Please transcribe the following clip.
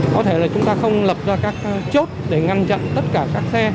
có thể là chúng ta không lập ra các chốt để ngăn chặn tất cả các xe